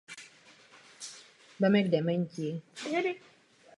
Nachází se tu lyžařské středisko s dvěma vleky.